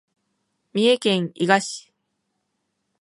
三重県伊賀市